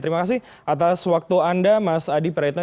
terima kasih atas waktu anda mas adi praetno